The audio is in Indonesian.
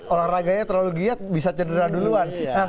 olahraganya terlalu giat bisa cedera duluan